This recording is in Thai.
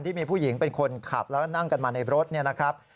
ที่มีผู้หญิงเป็นคนขับแล้วนั่งกันมาในรถเนี่ยนะครับ